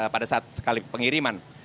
pada saat sekali pengiriman